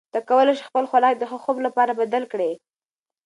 ته کولی شې خپل خوراک د ښه خوب لپاره بدل کړې.